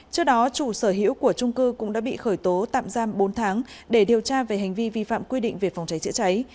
trước đó chủ sở hữu của trung cư cũng đã bị khởi tố tạm giam bốn tháng để điều tra về hành vi vi phạm quy định về phòng cháy chữa cháy